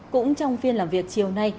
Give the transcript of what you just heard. cũng trong phiên làm việc chiều nay